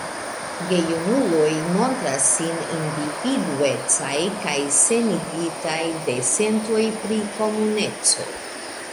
Gejunuloj montras sin individuecaj kaj senigitaj de sentoj pri komuneco.